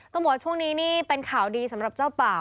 บอกว่าช่วงนี้นี่เป็นข่าวดีสำหรับเจ้าป่า